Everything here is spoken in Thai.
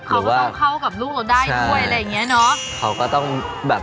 เขาก็ต้องเข้ากับลูกเราได้ด้วยอะไรอย่างนี้เนอะ